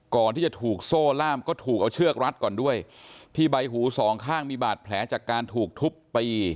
ก่อนที่จะถูกโซ่ล่ามก็ถูกเอาเชือกรัดก่อนด้วยที่ใบหูสองข้างมีบาดแผลจากการถูกทุบตี